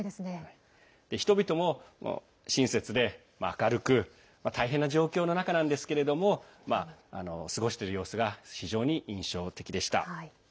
人々も親切で明るく大変な状況の中ですが過ごしてる様子が非常に印象的でした。